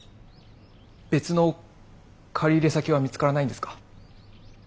別の借入先は見つからないんですか？